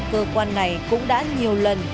cơ quan này cũng đã nhiều lần